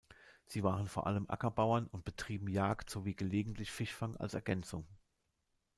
Sie waren vor allem Ackerbauern und betrieben Jagd sowie gelegentlich Fischfang als Ergänzung.